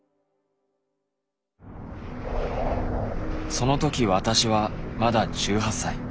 そのとき私はまだ１８歳。